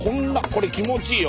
これ気持ちいいよ。